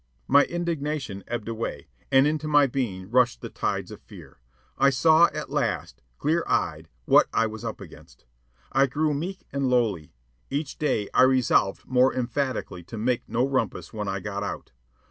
My indignation ebbed away, and into my being rushed the tides of fear. I saw at last, clear eyed, what I was up against. I grew meek and lowly. Each day I resolved more emphatically to make no rumpus when I got out.